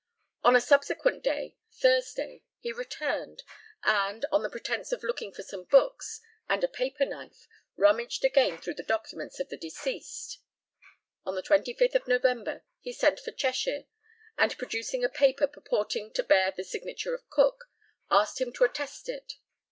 On a subsequent day (Thursday) he returned, and, on the pretence of looking for some books, and a paper knife, rummaged again through the documents of the deceased. On the 25th of November he sent for Cheshire, and, producing a paper purporting to bear the signature of Cook, asked him to attest it.